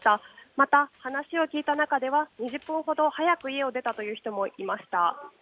また、話を聞いた中では２０分ほど早く家を出たという人もいまし